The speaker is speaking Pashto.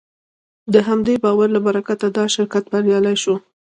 د همدې باور له برکته دا شرکت بریالی شو.